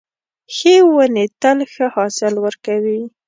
ښې ونې تل ښه حاصل ورکوي .